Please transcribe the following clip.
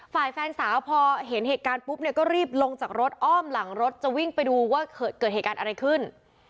ฝ่ายแฟนสาวพอเห็นเหตุการณ์ปุ๊บเนี่ยก็รีบลงจากรถอ้อมหลังรถจะวิ่งไปดูว่าเกิดเหตุการณ์อะไรขึ้น